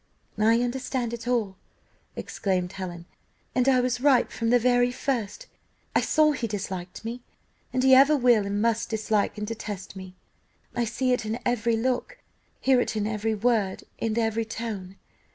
"I understand it all," exclaimed Helen, "and I was right from the very first; I saw he disliked me, and he ever will and must dislike and detest me I see it in every look, hear it in every word, in every tone."